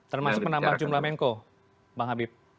termasuk menambah jumlah menko bang habib